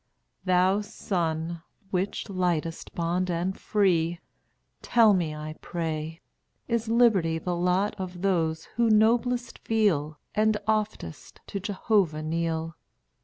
Thou Sun, which lightest bond and free, Tell me, I pray, is liberty The lot of those who noblest feel, And oftest to Jehovah kneel?